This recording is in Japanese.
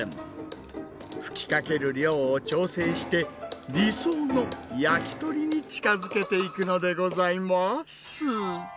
吹きかける量を調整して理想の焼き鳥に近づけていくのでございます。